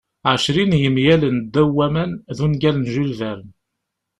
"Ɛecrin n yemyalen ddaw waman" d ungal n Jules Verne.